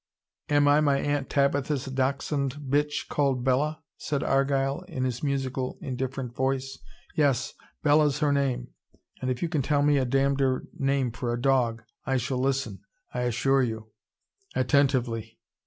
"Am I my aunt Tabitha's dachshund bitch called Bella," said Argyle, in his musical, indifferent voice. "Yes, Bella's her name. And if you can tell me a damneder name for a dog, I shall listen, I assure you, attentively."